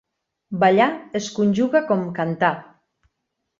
"Ballar" es conjuga com "cantar".